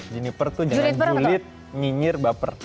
juniper tuh jangan sulit nyinyir baper